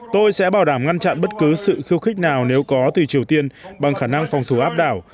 tôi sẽ bảo đảm ngăn chặn bất cứ sự khiêu khích nào nếu có từ triều tiên bằng khả năng phòng thủ áp đảo